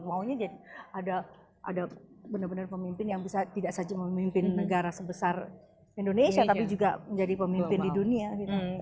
maunya jadi ada benar benar pemimpin yang bisa tidak saja memimpin negara sebesar indonesia tapi juga menjadi pemimpin di dunia gitu